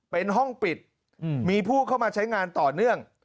เป็นห้องปิดมีผู้เข้ามาใช้งานต่อเนื่อง